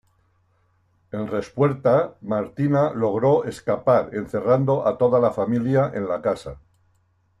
En respuesta, Martina logró escapar, encerrando a toda la familia en la casa.